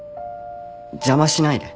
邪魔しないで。